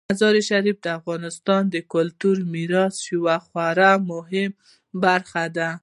مزارشریف د افغانستان د کلتوري میراث یوه خورا مهمه برخه ده.